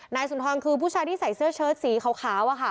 นายสุนทรคือผู้ชายที่ใส่เสื้อเชิดสีขาวอะค่ะ